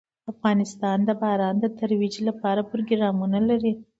افغانستان د باران د ترویج لپاره پروګرامونه لري.